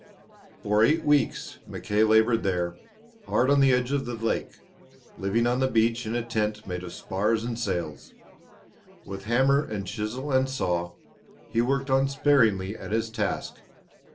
For eight weeks Mackay laboured there, hard on the edge of the lake, living on the beach in a tent made of spars and sails. With hammer and chisel and saw he worked unsparingly at his task.